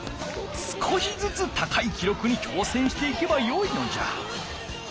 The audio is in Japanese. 少しずつ高い記録に挑戦していけばよいのじゃ。